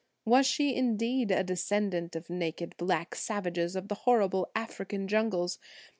Was she, indeed, a descendant of naked black savages of the horrible African jungles?